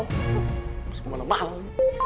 harus gimana malem